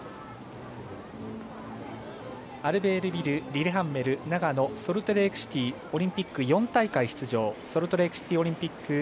アルベールビル、リレハンメル長野、ソルトレークシティーオリンピック４大会出場ソルトレークシティーオリンピック５０ｋｍ